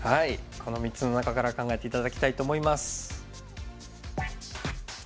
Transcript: この３つの中から考えて頂きたいと思います。